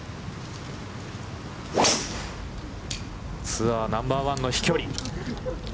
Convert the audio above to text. ツアーナンバーワンの飛距離。